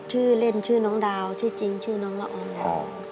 ชื่อเล่นชื่อน้องดาวชื่อจริงชื่อน้องละออนแล้ว